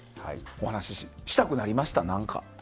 お話ししたくなりました、何か。